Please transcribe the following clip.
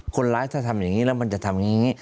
คนร้ายถ้าทำอย่างนี้แล้วมันจะทำอย่างนี้